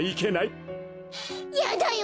やだよ